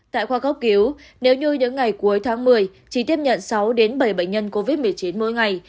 tại khoa gốc cứu nếu như những ngày cuối tháng một mươi chỉ tiếp nhận sáu bảy bệnh nhân covid một mươi chín mỗi ngày